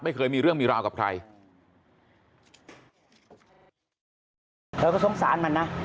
ไม่เคยมีเรื่องมีราวกับใคร